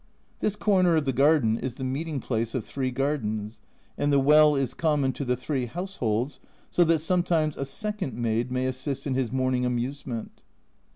This corner of the garden is the meeting place of three gardens, and the well is common to the three households, so that sometimes a second maid may assist in his morning amusement.